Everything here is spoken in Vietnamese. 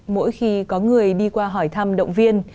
mỗi khi có người đi qua hỏi thăm động viên